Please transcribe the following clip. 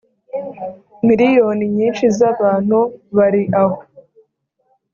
miliyoni nyinshi z’abantu bari aho